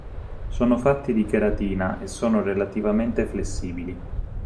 Sono fatti di cheratina e sono relativamente flessibili.